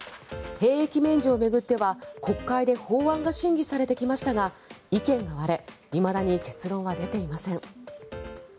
兵役免除を巡っては、国会で法案が審議されてきましたが意見が割れいまだに結論は出ていません。